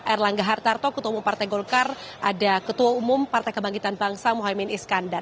erlangga hartarto ketua umum partai golkar ada ketua umum partai kebangkitan bangsa mohaimin iskandar